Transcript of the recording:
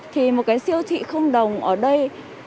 thì một cái siêu thị không đồng ở đây